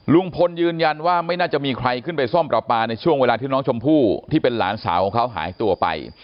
ลุงพลยืนยันว่าไม่น่าจะมีใครขึ้นไปซ่อมประปาในช่วงเวลาที่น้องชมพู่ที่เป็นหลานสาวของเขาหายตัวไป